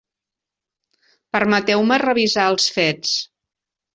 Permeteu-me revisar els fets.